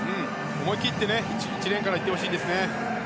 思い切っていってほしいですね。